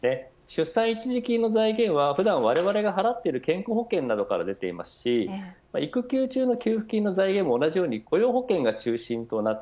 出産一時金の財源は普段われわれが払っている健康保険などから出ていますし育休中の給付金の財源も同じように雇用保険が中心です。